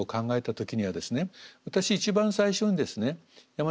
私一番最初にですね大和